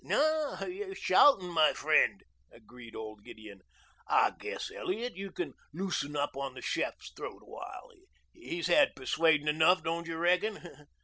"Now you're shouting, my friend," agreed old Gideon. "I guess, Elliot, you can loosen up on the chef's throat awhile. He's had persuading enough, don't you reckon?